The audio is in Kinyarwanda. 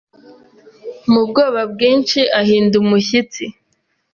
Mu bwoba bwinshi ahinda umushyitsi